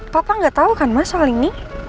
papa gak tau kan mas soal ini